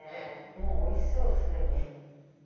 もうおいしそうすでに。